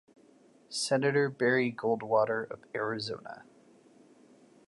Senator Barry Goldwater of Arizona.